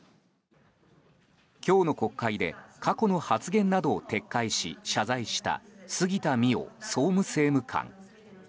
今日の国会で過去の発言などを撤回し謝罪した杉田水脈総務政務官。